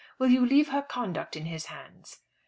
Will you leave her conduct in his hands?"